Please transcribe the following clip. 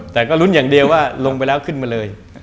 แต่ก็ลุ้นอย่างเดียวว่าลงไปแล้วขึ้นมาเลย